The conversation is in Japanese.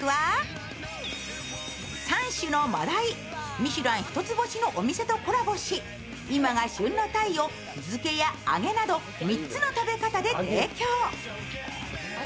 ミシュラン一つ星のお店とコラボし、今が旬の鯛を漬けや揚げなど３つの食べ方で提供。